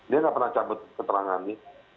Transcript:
dia gak pernah cabut keterangan ini